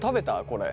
これ。